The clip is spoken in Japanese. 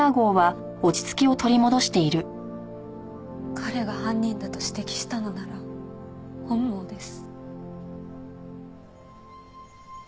彼が犯人だと指摘したのなら本望です。